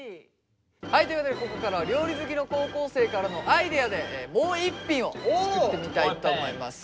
はいということでここからは料理好きの高校生からのアイデアでもう一品を作ってみたいと思います。